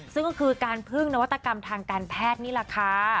ซึ่งก็คือการพึ่งนวัตกรรมทางการแพทย์นี่แหละค่ะ